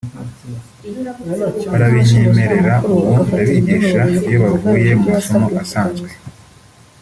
barabinyemerera ubu ndabigisha iyo bavuye mu masomo asanzwe